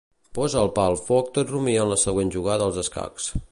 Posa el pa al foc tot rumiant la següent jugada als escacs.